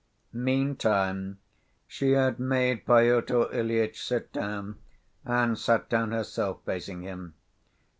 Meantime she had made Pyotr Ilyitch sit down and sat down herself, facing him.